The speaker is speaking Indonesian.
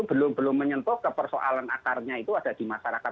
belum belum menyentuh kepersoalan akarnya itu ada di masyarakat